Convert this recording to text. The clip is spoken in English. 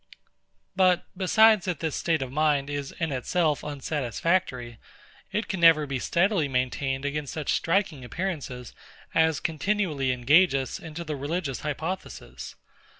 But, besides that this state of mind is in itself unsatisfactory, it can never be steadily maintained against such striking appearances as continually engage us into the religious hypothesis.